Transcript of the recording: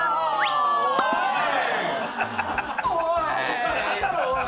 おかしいだろおい！